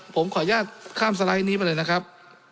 ผมขออนุญาตข้ามสไลด์นี้มาเลยนะครับ